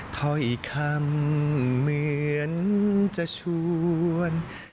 ถ้อยคำเหมือนจะชวน